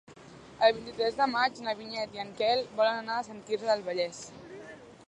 El vint-i-tres de maig na Vinyet i en Quel volen anar a Sant Quirze del Vallès.